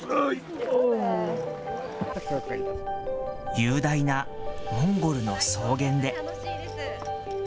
雄大なモンゴルの草原で。